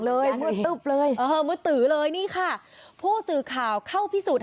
มืดตึ๊บเลยเออมืดตือเลยนี่ค่ะผู้สื่อข่าวเข้าพิสูจน์